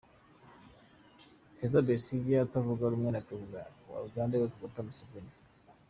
Kizza Besigye utavuga rumwe na Perezida wa Uganda Yoweli Kaguta Museveni.